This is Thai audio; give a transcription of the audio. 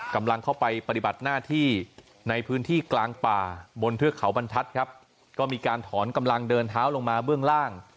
กำลังเข้าไปปฏิบัติหน้าที่ในพื้นที่กลางป่าบนเทือกเขาบรรทัศน์ครับก็มีการถอนกำลังเดินเท้าลงมาเบื้องล่าง